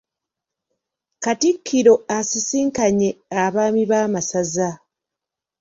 Katikkiro asisinkanye Abaami b'amasaza.